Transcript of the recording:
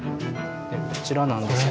こちらなんですが。